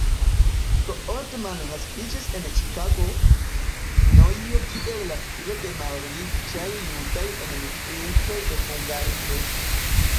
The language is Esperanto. Goodman naskiĝis en Ĉikago, Ilinojo kiel la filo de malriĉaj judaj enmigrintoj de Hungario.